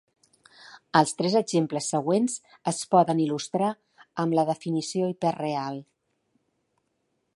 Els tres exemples següents es poden il·lustrar amb la definició hiperreal.